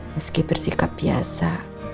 meski bersikap biasa